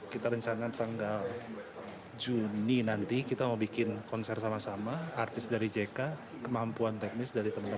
kita rencana tanggal juni nanti kita mau bikin konser sama sama artis dari jk kemampuan teknis dari teman teman